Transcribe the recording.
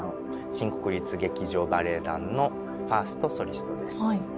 新国立劇場バレエ団のファーストソリストです。